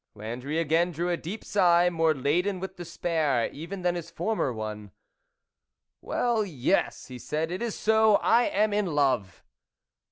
Landry again drew a deep sigh, more laden with despair even than his former one. " Well, yes !" he said, " it is so, I am in love